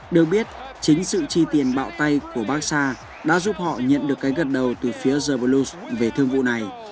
được biết chính sự chi tiền bạo tay của baxa đã giúp họ nhận được cái gật đầu từ phía javalue về thương vụ này